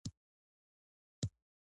د اولبرس پاراډوکس د شپې تیاره حل کوي.